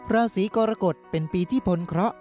ราศีกรกฎเป็นปีที่พ้นเคราะห์